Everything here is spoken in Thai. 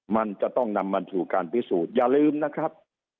มันจะต้องนำมาสู่การพิสูจนอย่าลืมนะครับ